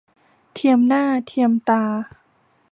เทียมหน้าเทียมตา